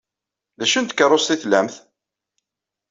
D acu n tkeṛṛust ay tlamt?